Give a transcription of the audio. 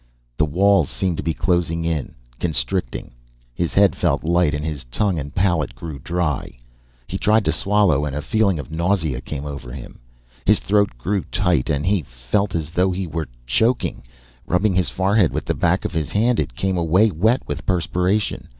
The walls seemed to be closing in, constricting. His head felt light and his tongue and palate grew dry. He tried to swallow, and a feeling of nausea came over him. His throat grew tight and he felt as though he were choking. Rubbing his forehead with the back of his hand it came away wet with perspiration.